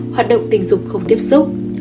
bốn hoạt động tình dục không tiếp xúc